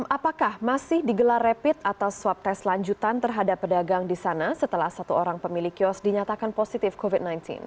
apakah masih digelar rapid atas swab tes lanjutan terhadap pedagang di sana setelah satu orang pemilik kios dinyatakan positif covid sembilan belas